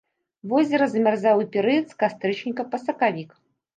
Возера замярзае ў перыяд з кастрычніка па сакавік.